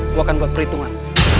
gue akan buat perhitungan